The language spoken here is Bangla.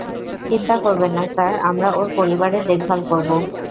চিন্তা করবেন না স্যার, আমরা ওর পরিবারের দেখভাল করব।